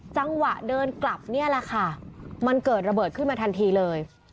จังหวะเดินกลับเนี่ยแหละค่ะมันเกิดระเบิดขึ้นมาทันทีเลย